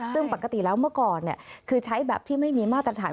ซึ่งปกติแล้วเมื่อก่อนคือใช้แบบที่ไม่มีมาตรฐาน